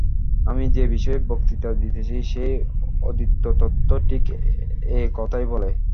আমি যে-বিষয়ে বক্তৃতা দিতেছি, সেই অদ্বৈততত্ত্ব ঠিক এই কথাই বলে।